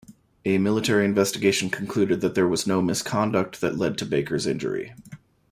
A military investigation concluded that there was no misconduct that led to Baker's injury.